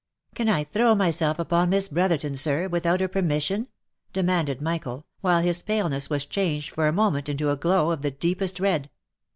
" Can I throw myself upon Miss Brotherton, sir, without her per mission ?" demanded Michael, while his paleness was changed for a moment into a glow of the deepest red.